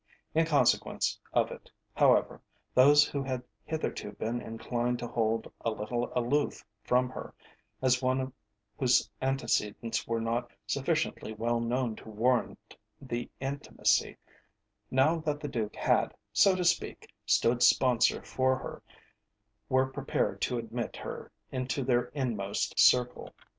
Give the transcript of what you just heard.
In consequence of it, however, those who had hitherto been inclined to hold a little aloof from her, as one whose antecedents were not sufficiently well known to warrant the intimacy, now that the Duke had, so to speak, stood sponsor for her, were prepared to admit her into their inmost circle.